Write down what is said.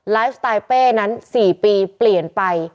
สไตล์เป้นั้น๔ปีเปลี่ยนไป